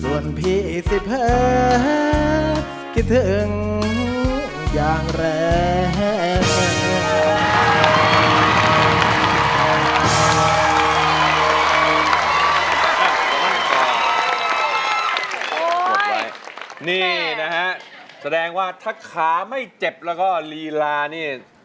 ส่วนพี่สิเผินคิดถึงอย่างแรง